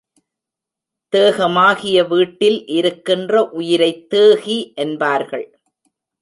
தேகமாகிய வீட்டில் இருக்கின்ற உயிரைத் தேகி என்பார்கள்.